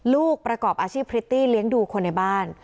ลูกประกอบอาชีพพริตตี้เลี้ยงดูคนในบ้าน